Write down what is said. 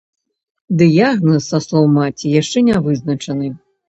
Дыягназ, са словаў маці, яшчэ не вызначаны.